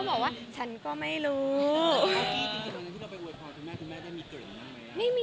ก็บอกว่าเซอร์ไพรส์ไปค่ะ